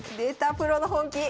プロの本気。